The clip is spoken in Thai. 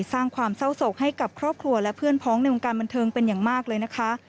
สร้างความเศร้าโศกให้กับครอบครัวและเพื่อนพ้องในวงการบันเทิงเป็นอย่างมากเลยนะคะ